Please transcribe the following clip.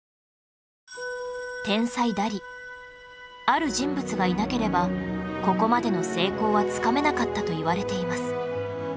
ある人物がいなければここまでの成功はつかめなかったといわれています